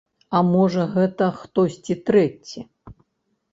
А, можа, гэта хтосьці трэці?